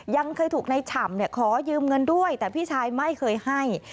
ยังเคยถูกในฉ่ำขอยืมเงินด้วยแต่พี่ชายไม่เคยให้